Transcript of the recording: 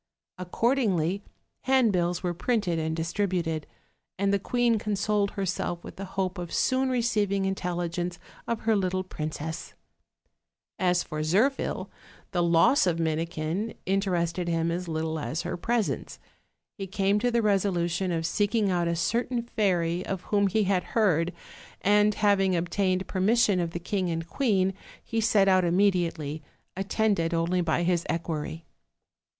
Accordingly, handbills were printed and distributed, and the queen consoled herself with the hope of soon receiving intelligence of her little princess. As for Zirphil, the loss of Minikin interested him as little as her presence. He came to the resolution of seeking out a certain fairy of whom he had heard, and having obtained permission of the king and queen he set out immediately, attended only by his equerry.